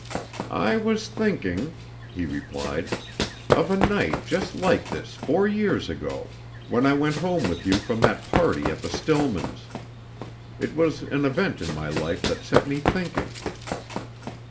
"I was thinking," he replied, "of a night just like this four years ago, when I went home with you from that party at the Stillman's. It was an event in my life that set me thinking."